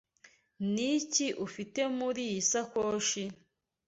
Niki ufite muriyi sakoshi?